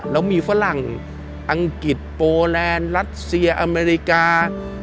แล้วมีฝรั่งอังกฤษโปแลนด์รัสเซียอเมริกา